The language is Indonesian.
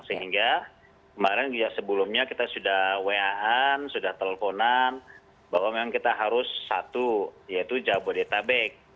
sehingga kemarin juga sebelumnya kita sudah wa an sudah teleponan bahwa memang kita harus satu yaitu jabodetabek